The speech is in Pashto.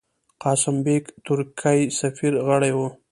قاسم بېګ، ترکی سفیر، غړی وو.